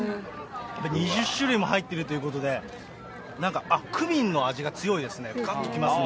２０種類も入ってるということで、なんか、クミンの味が強いですね、がっときますね。